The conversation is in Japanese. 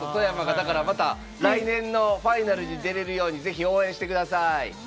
だから、また来年のファイナルに出れるようにぜひ、応援してください。